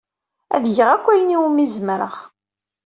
Ad geɣ akk ayen umi zemreɣ.